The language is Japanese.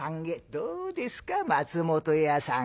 「どうですか松本屋さん。